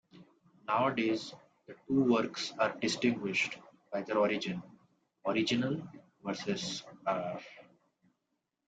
Nowadays, the two works are distinguished by their origin: "Original" versus "arr.